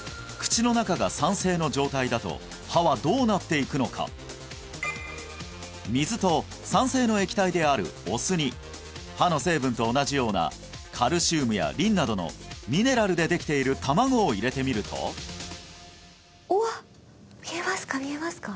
怖いうわ怖いでは水と酸性の液体であるお酢に歯の成分と同じようなカルシウムやリンなどのミネラルでできている卵を入れてみるとわっ見えますか？